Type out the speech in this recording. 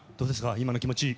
今の気持ち。